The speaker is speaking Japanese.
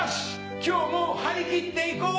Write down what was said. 今日も張り切っていこう！